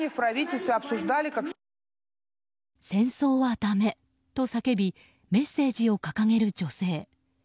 戦争はだめと叫びメッセージを掲げる女性。